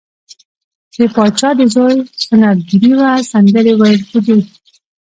د پاچا د زوی سنت ګیری وه سندرې ویل کیدې.